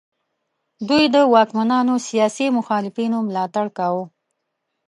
دوی د واکمنانو سیاسي مخالفینو ملاتړ کاوه.